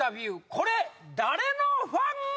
これ誰のファン？